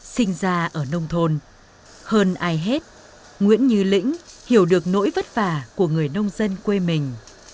sinh ra ở nông thôn hơn ai hết nguyễn như lĩnh hiểu được nỗi vất vả của người nông dân quê mình